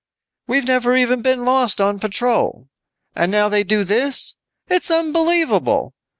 "We've never even been lost on patrol. And now they do this. It's unbelievable!